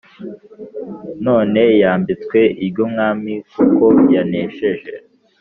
none yambitswe iry’umwami kuko yanesheje